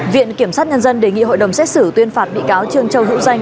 viện kiểm sát nhân dân đề nghị hội đồng xét xử tuyên phạt bị cáo trương châu hữu danh